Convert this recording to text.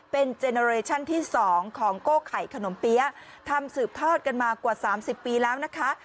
เป็นที่สองของโก้ไข่ขนมเปี๊ยะทำสืบทอดกันมากว่าสามสิบปีแล้วนะคะ